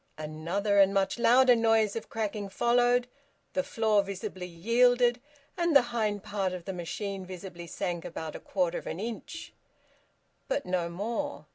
Another and much louder noise of cracking followed, the floor visibly yielded, and the hindpart of the machine visibly sank about a quarter of an inch. But no more.